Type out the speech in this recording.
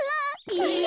え！